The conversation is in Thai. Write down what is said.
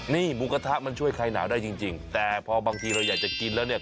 นี่หมูกระทะมันช่วยใครหนาวได้จริงแต่พอบางทีเราอยากจะกินแล้วเนี่ย